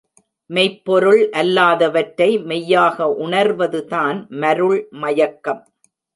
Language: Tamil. மெய்ப்பொருள் அல்லாதவற்றை மெய்யாக உணர்வதுதான் மருள் மயக்கம்.